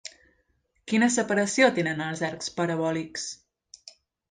Quina separació tenen els arcs parabòlics?